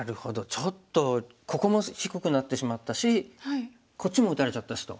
ちょっとここも低くなってしまったしこっちも打たれちゃったしと。